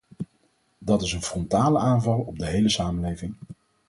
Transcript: Dat is een frontale aanval op de hele samenleving.